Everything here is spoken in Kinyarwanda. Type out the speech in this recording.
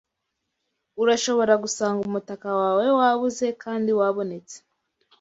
Urashobora gusanga umutaka wawe wabuze kandi wabonetse.